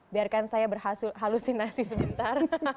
biarkan saya berhalusinasi sebentar